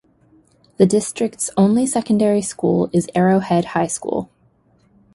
The district's only secondary school is Arrowhead High School.